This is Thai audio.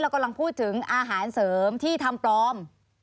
กำลังพูดถึงอาหารเสริมที่ทำปลอม